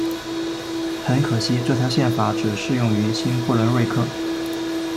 很可惜这条宪法只适用于新不伦瑞克。